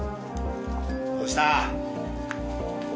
どうした？